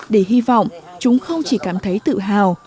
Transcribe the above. để hy vọng chúng không chỉ cảm thấy tự hào